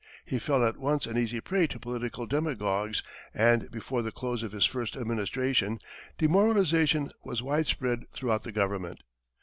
He fell at once an easy prey to political demagogues, and before the close of his first administration, demoralization was widespread throughout the government.